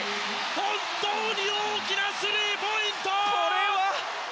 本当に大きなスリーポイント！